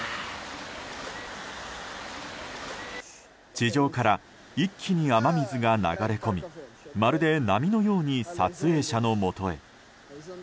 地上から一気に雨水が流れ込みまるで波のように撮影者のもとへ。